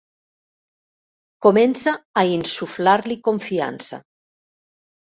Comença a insuflar-li confiança.